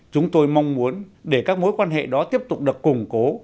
chúng tôi mong muốn để các mối quan hệ đó tiếp tục được củng cố